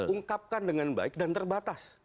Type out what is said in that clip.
ungkapkan dengan baik dan terbatas